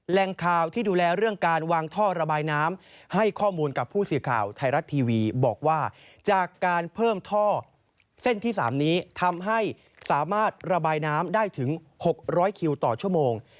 แรงข่าวที่ดูแลเรื่องการวางท่อระบายน้ำให้ข้อมูลกับผู้สื่อข่าวไทยรัฐทีวีบอกว่าจากการเพิ่มท่อเส้นที่๓นี้ทำให้สามารถระบายน้ำได้ถึง๖๐๐คิวต่อชั่วโมง